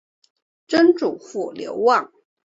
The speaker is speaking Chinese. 曾祖父刘旺。